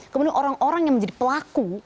kemudian orang orang yang menjadi pelaku